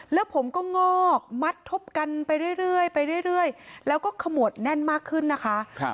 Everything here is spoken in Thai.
แล้วผมก็งอกมัดทบกันไปเรื่อยไปเรื่อยแล้วก็ขมวดแน่นมากขึ้นนะคะ